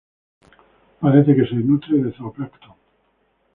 Parece que se nutre de zooplancton.